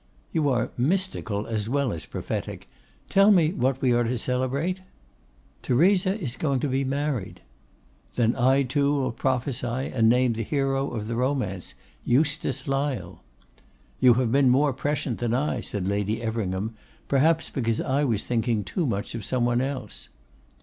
'You are mystical as well as prophetic. Tell me what we are to celebrate.' 'Theresa is going to be married.' 'Then I, too, will prophesy, and name the hero of the romance, Eustace Lyle.' 'You have been more prescient than I,' said Lady Everingham, 'perhaps because I was thinking too much of some one else.